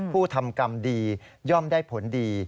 ผู้ทำกรรมดีย่อมได้ผลดี